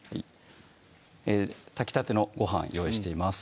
炊きたてのご飯用意しています